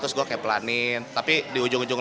terus gue kayak pelanin tapi di ujung ujung